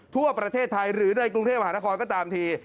ทั่วประเทศไทยหรือในกรุงเทพมหานครก็ตามที